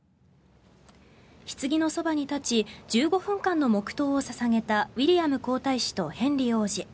ひつぎのそばに立ち１５分間の黙祷を捧げたウィリアム皇太子とヘンリー王子。